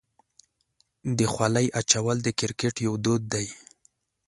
د خولۍ اچول د کرکټ یو دود دی.